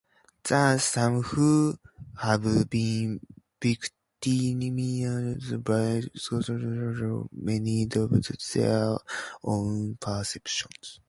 Thus, some who have been victimized by sociopaths may doubt their own perceptions.